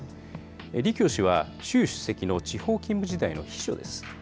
李強氏は、習主席の地方勤務時代の秘書です。